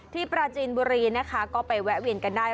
ปราจีนบุรีนะคะก็ไปแวะเวียนกันได้